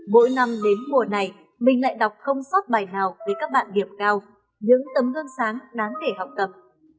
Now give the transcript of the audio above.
mỗi năm đến mùa này mình lại đọc không sót bài nào với các bạn điểm cao những tấm gương sáng đáng để học tập